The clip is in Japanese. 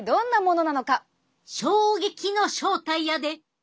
衝撃の正体やで！